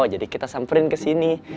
jadi kita samperin kesini